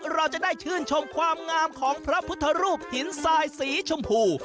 เราจะได้ชื่นชมความงามของพระพุทธรูปหินทรายสีชมพู